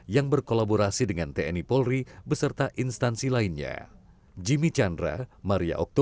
yang berkolaborasi dengan tni polri beserta instansi lainnya